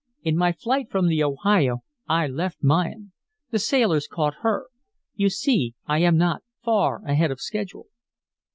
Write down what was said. In my flight from the Ohio I left mine. The sailors caught her. You see I am not far ahead of schedule."